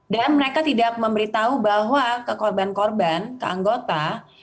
dan mereka tidak memberitahu bahwa kekorban korban ke anggota